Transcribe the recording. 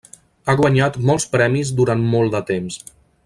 Ha guanyat molts premis durant molt de temps.